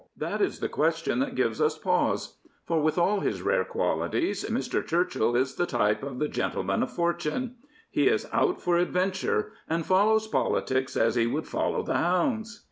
That is the question that gives us pause. For, with all his rare qudities, Mr. Churchill is the type of " the gentleman of fortune. He is out for adventure and follows politics as he would follow the hounds.